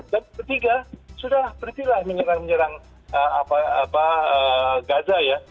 dan ketiga sudah beritilah menyerang menyerang gaza ya